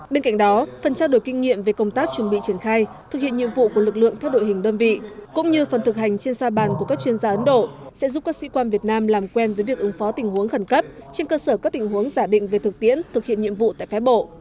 bên cạnh đó phần trao đổi kinh nghiệm về công tác chuẩn bị triển khai thực hiện nhiệm vụ của lực lượng theo đội hình đơn vị cũng như phần thực hành trên sa bàn của các chuyên gia ấn độ sẽ giúp các sĩ quan việt nam làm quen với việc ứng phó tình huống khẩn cấp trên cơ sở các tình huống giả định về thực tiễn thực hiện nhiệm vụ tại phái bộ